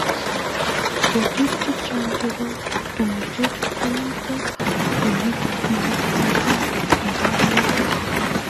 ketik chechang' chebo tomote ko mito konaitab murot katam nebo emet